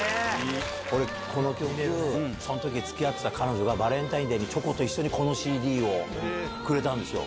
俺、この曲、そのときつきあってた彼女がバレンタインデーにチョコと一緒にこのＣＤをくれたんですよ。